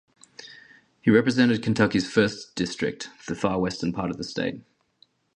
He represented Kentucky's First District, the far western part of the state.